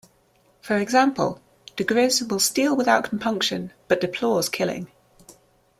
For example, diGriz will steal without compunction, but deplores killing.